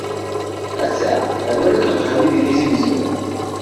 Ass-a, rwin akk leqhawi di Tizi Wezzu.